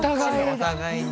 お互いに。